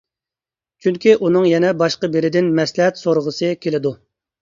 چۈنكى ئۇنىڭ يەنە باشقا بىرىدىن مەسلىھەت سورىغۇسى كېلىدۇ.